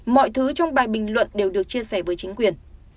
mọi thứ trong bài bình luận đều được chia sẻ với chính quyền